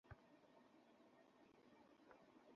আমার পরামর্শ, তুমি কোন প্রশ্ন করবে না।